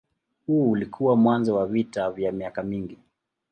Huu ulikuwa mwanzo wa vita vya miaka mingi.